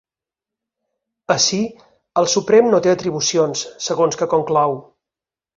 Ací, el Suprem no té atribucions, segons que conclou.